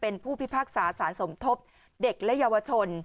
เป็นผู้พิพากษาสารสมทบเด็กและเยาวชน